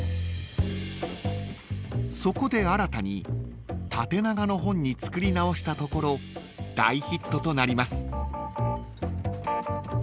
［そこで新たに縦長の本に作り直したところ大ヒットとなります］